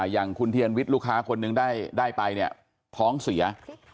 อย่างคุณเทียนวิทย์ลูกค้าคนหนึ่งได้ไปเนี่ยท้องเสีย